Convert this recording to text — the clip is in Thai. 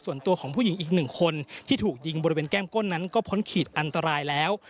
ส่วนตัวของผู้หญิงอีกหนึ่งคนที่ถูกยิงบริเวณแก้มก้นนั้นก็พ้นขีดอันตรายแล้ว